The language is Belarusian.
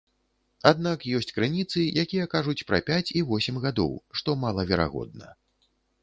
Аднак ёсць крыніцы, якія кажуць пра пяць і восем гадоў, што малаверагодна.